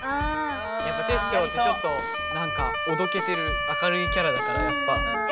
やっぱテッショウってちょっとなんかおどけてる明るいキャラだからやっぱ。